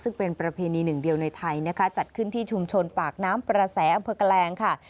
ซึ่งเป็นประเพณีหนึ่งเดียวในไทยนะคะจัดขึ้นที่ชุมชนปากน้ำประแสอำเภอแกลงค่ะ